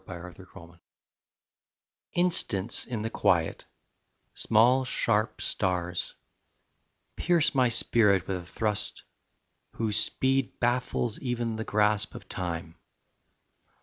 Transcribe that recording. POINTS AND LINES Instants in the quiet, small sharp stars, Pierce my spirit with a thrust whose speed Baffles even the grasp of time.